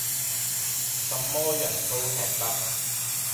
什麼人都喫得。